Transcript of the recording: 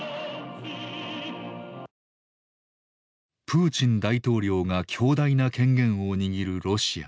プーチン大統領が強大な権限を握るロシア。